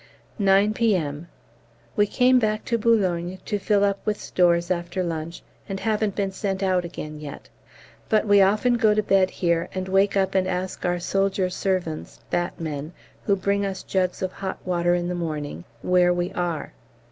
9 P.M. We came back to B. to fill up with stores after lunch, and haven't been sent out again yet; but we often go to bed here, and wake up and ask our soldier servants (batmen), who bring our jugs of hot water it the morning, where we are.